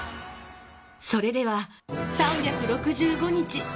それでは３６５日